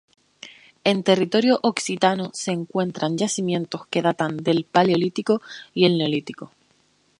En territorio occitano se encuentran yacimientos que datan del Paleolítico y el Neolítico.